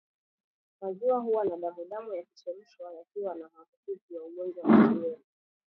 Maziwa huwa na damudamu yakichemshwa yakiwa na maambukizi ya ugonjwa wa kiwele